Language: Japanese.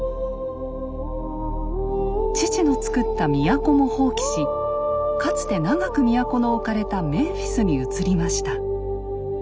父のつくった都も放棄しかつて長く都の置かれたメンフィスに移りました。